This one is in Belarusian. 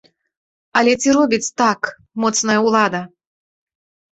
Але ці робіць так моцная ўлада?